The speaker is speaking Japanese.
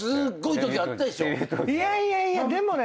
いやいやいやでもね。